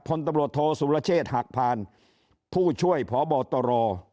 พลตำรวจโทษสุรเชษฐ์หักผ่านผู้ช่วยพบตร